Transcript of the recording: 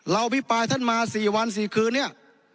อภิปรายท่านมา๔วัน๔คืนเนี่ย